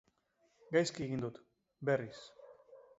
Gaizki egin dut, berriz.